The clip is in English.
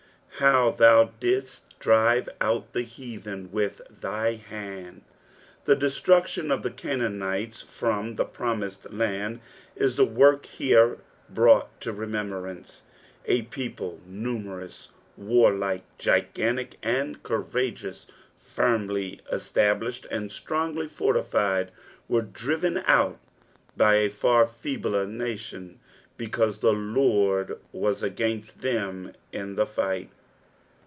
"Zfots thou didit drize out the heathen vith thy Aonii." The deslrudioB of the Canaanites from the promised land is the work here brought to remrm brance. A people numerous, warlike, gigantic and courageous, firmly established and strongly fortified, were driven out by a far feebler nation, because the Loid was against them in the fight.